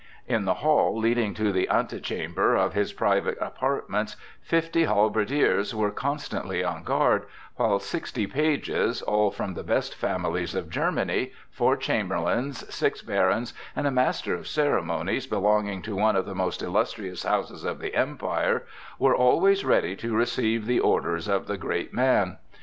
In the hall leading to the antechamber of his private apartments fifty halberdiers were constantly on guard, while sixty pages, all from the best families of Germany, four chamberlains, six barons, and a master of ceremonies belonging to one of the most illustrious houses of the Empire, were always ready to receive the orders of the great man.